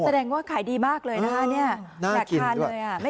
แสดงว่าขายดีมากเลยนะฮะเนี่ยน่ากินด้วย